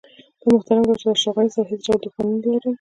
له محترم ډاکټر اشرف غني سره هیڅ ډول دښمني نه لرم.